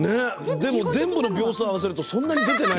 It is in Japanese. でも全部の秒数を合わせるとそんなに出てない。